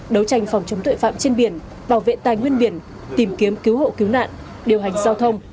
đấu tranh phòng chống tội phạm trên biển bảo vệ tài nguyên biển tìm kiếm cứu hộ cứu nạn điều hành giao thông